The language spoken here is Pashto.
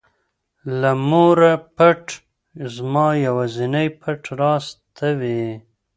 له موره پټ زما یوازینى پټ راز ته وې.